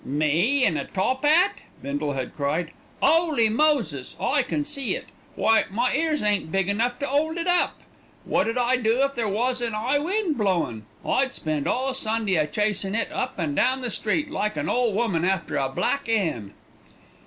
"Me in a top 'at!" Bindle had cried. "'Oly Moses! I can see it! Why, my ears ain't big enough to 'old it up. Wot 'ud I do if there was an 'igh wind blowin'? I'd spend all Sunday a chasin' it up and down the street, like an ole woman after a black 'en."